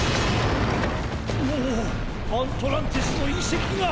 おおアントランティスのいせきが。